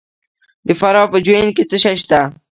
د فراه په جوین کې څه شی شته؟